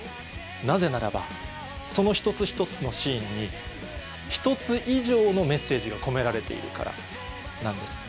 なぜならばその一つ一つのシーンに１つ以上のメッセージが込められているからなんです。